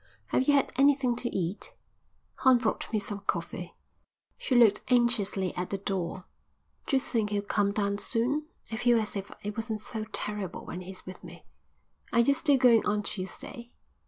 "Have you had anything to eat?" "Horn brought me some coffee." She looked anxiously at the door. "D'you think he'll come down soon? I feel as if it wasn't so terrible when he's with me." "Are you still going on Tuesday?"